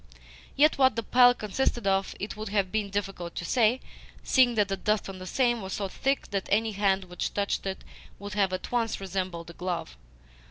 Yet what the pile consisted of it would have been difficult to say, seeing that the dust on the same was so thick that any hand which touched it would have at once resembled a glove.